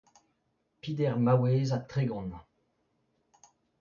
peder maouez ha tregont.